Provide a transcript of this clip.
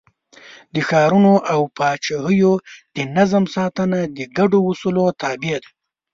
د ښارونو او پاچاهیو د نظم ساتنه د ګډو اصولو تابع ده.